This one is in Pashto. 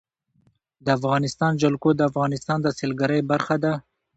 د افغانستان جلکو د افغانستان د سیلګرۍ برخه ده.